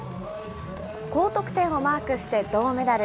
高得点をマークして銅メダル。